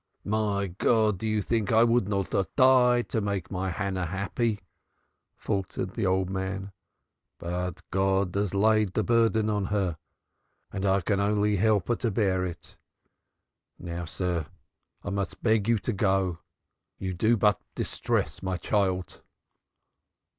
"My God! Do you think I would not die to make Hannah happy?" faltered the old man. "But God has laid the burden on her and I can only help her to bear it. And now, sir, I must beg you to go. You do but distress my child."